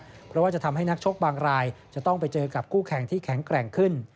เพราะว่าจะทำให้นักชกบางรายจะต้องไปเจอกับคู่แข่งที่แข็งแกร่งขึ้น